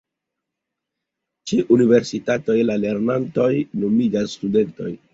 Ĉe universitatoj la lernantoj nomiĝas studentoj.